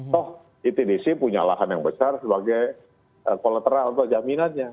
toh itdc punya lahan yang besar sebagai kolateral atau jaminannya